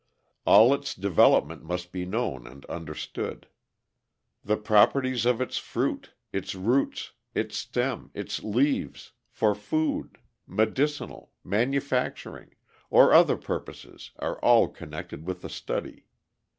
All its development must be known and understood. The properties of its fruit, its roots, its stem, its leaves, for food, medicinal, manufacturing, or other purposes are all connected with the study.